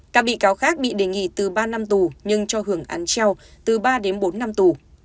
các bị cáo khác bị đề nghị từ ba năm tù nhưng cho hưởng án treo từ ba đến bốn năm tù